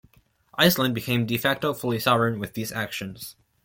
Iceland became "de facto" fully sovereign with these actions.